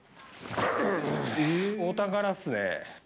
お宝っすね。